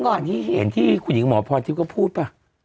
เมื่อกี้เห็นที่คุณหญิงก็พูดป่ะ